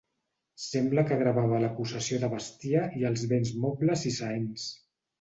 Sembla que gravava la possessió de bestiar i els béns mobles i seents.